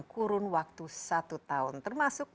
kurun waktu satu tahun termasuk